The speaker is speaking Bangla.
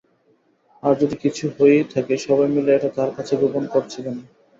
আর যদি কিছু হয়েই থাকে, সবাই মিলে এটা তার কাছে গোপন করছে কেন?